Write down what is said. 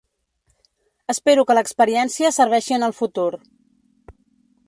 Espero que l’experiència serveixi en el futur.